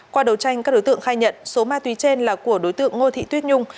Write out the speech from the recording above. qua đấu tranh các đối tượng khai nhận số ma túy trên là của đối tượng ngô thị tuyết nhung